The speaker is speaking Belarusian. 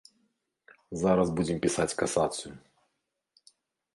Зараз будзем пісаць касацыю.